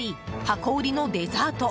箱売りのデザート。